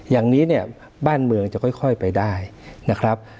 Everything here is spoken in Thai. อย่างนี้เนี่ยบ้านเมืองจะค่อยไปได้นะครับ